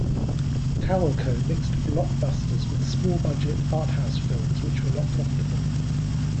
Carolco mixed blockbusters with small-budget arthouse films which were not profitable.